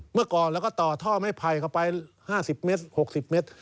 เมื่อก่อนเราก็ต่อท่อไม้ไผ่เข้าไป๕๐เมตร๖๐เมตร